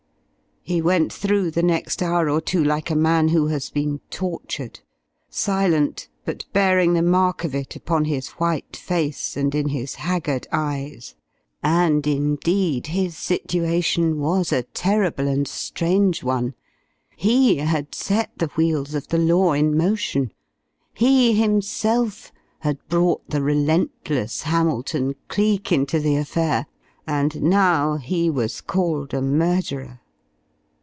He went through the next hour or two like a man who has been tortured. Silent, but bearing the mark of it upon his white face and in his haggard eyes. And indeed his situation was a terrible and strange one. He had set the wheels of the law in motion; he himself had brought the relentless Hamilton Cleek into the affair and now he was called a murderer!